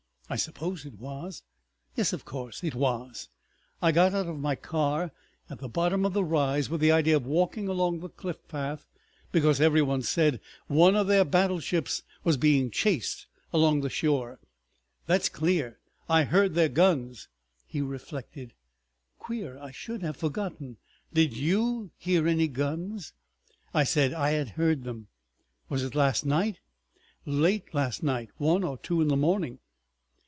I suppose it was. Yes, of course!—it was. I got out of my car at the bottom of the rise with the idea of walking along the cliff path, because every one said one of their battleships was being chased along the shore. That's clear! I heard their guns———" He reflected. "Queer I should have forgotten! Did you hear any guns?" I said I had heard them. "Was it last night?" "Late last night. One or two in the morning."